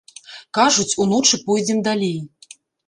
Кажуць, уночы пойдзем далей.